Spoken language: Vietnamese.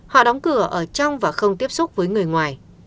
họ đóng cửa ở trong và không tiếp xúc với người ngoài